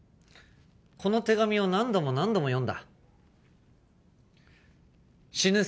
この手紙を何度も何度も読んだ死ぬ